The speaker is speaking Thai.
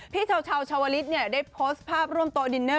พี่ชาวชาวลิศได้โพสต์ภาพร่วมโตดินเนอร์